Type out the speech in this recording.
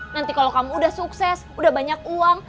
nanti kalau kamu udah sukses udah banyak uang